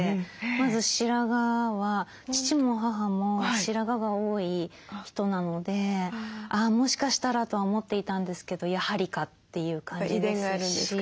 まず白髪は父も母も白髪が多い人なのであもしかしたらとは思っていたんですけどやはりかっていう感じですし。